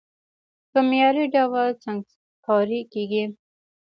په معياري ډول سنګکاري کېږي،